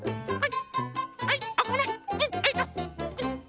はい。